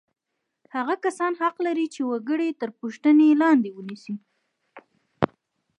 هغه کسان حق لري چې وګړي تر پوښتنې لاندې ونیسي.